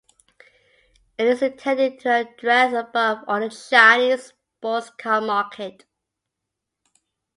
It is intended to address above all the Chinese sports car market.